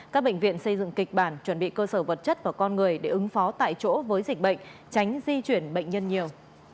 các bệnh viện xây dựng kịch bản chuẩn bị cơ sở vật chất và con người để ứng phó tại chỗ với dịch bệnh tránh di chuyển bệnh nhân nhiều